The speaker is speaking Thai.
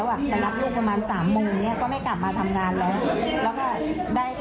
ไปรับลูกประมาณสามมุมเนี่ยก็ไม่กลับมาทำงานแล้ว